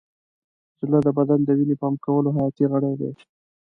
زړه د بدن د وینې پمپ کولو حیاتي غړی دی.